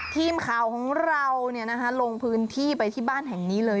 ทีมข่าวของเราลงพื้นที่ไปที่บ้านแห่งนี้เลย